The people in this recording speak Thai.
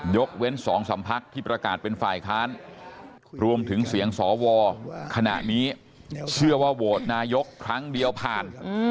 ยกเว้น๒๓พักที่ประกาศเป็นฝ่ายค้านรวมถึงเสียงสวขณะนี้เชื่อว่าโหวตนายกครั้งเดียวผ่าน